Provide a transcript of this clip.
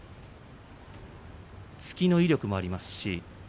突きの威力もあります。